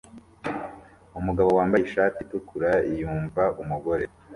Umugabo wambaye ishati itukura yumva umugore